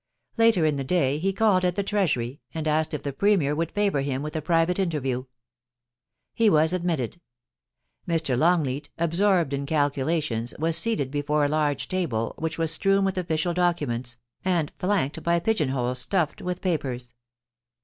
. Later in the day he called at the Treasury, and asked if the Premier would favour him with a private interview. He was admitted. Mr. Longleat, absorbed in calculations, was seated before a large table, which was strewn with official documents, and flanked by pigeon holes stuffed with papers.